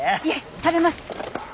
いえ食べます！